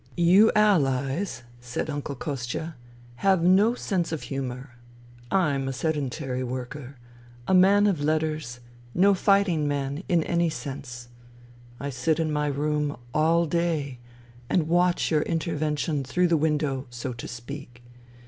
" You Allies," said Uncle Kostia, " have no sense of humour. I'm a sedentary worker, a man of letters, no fighting man in any sense. I sit in my room all day and watch your intervention through the window, so to speak.